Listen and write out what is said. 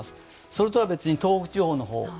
それとは別に東北地方の方。